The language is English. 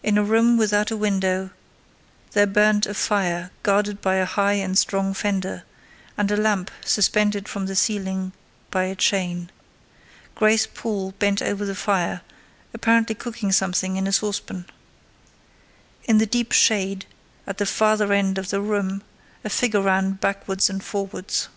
In a room without a window, there burnt a fire guarded by a high and strong fender, and a lamp suspended from the ceiling by a chain. Grace Poole bent over the fire, apparently cooking something in a saucepan. In the deep shade, at the farther end of the room, a figure ran backwards and forwards.